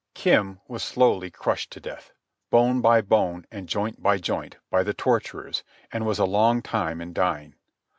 Kim was slowly crushed to death, bone by bone and joint by joint, by the torturers, and was a long time in dying.